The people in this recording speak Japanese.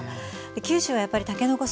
九州はやっぱりたけのこ